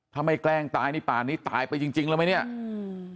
ถ้าไม่แกล้งตายนี่ป่านี้ตายไปจริงจริงแล้วไหมเนี้ยอืม